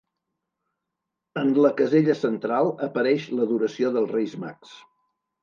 En la casella central apareix l'Adoració dels Reis Mags.